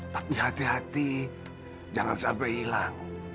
tapi hati hati jangan sampai hilang